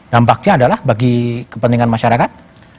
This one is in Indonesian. dampaknya adalah bagi kepentingan masyarakat